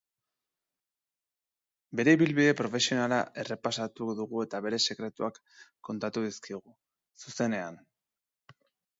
Bere ibilbide profesionala errepasatu dugu eta bere sekretuak kontatu dizkigu, zuzenean.